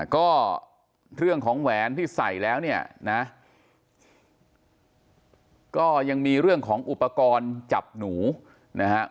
ก็เรื่องของแหวนที่ใส่แล้วเนี่ยนะก็ยังมีเรื่องของอุปกรณ์จับหนูนะฮะ